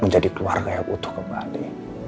menjadi keluarga yang utuh kembali